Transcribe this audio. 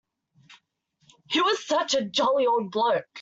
He was such a jolly old bloke.